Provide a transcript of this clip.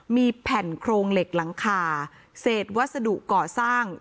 มีแผ่นโครงเหล็กหลังคาเศษวัสดุก่อสร้าง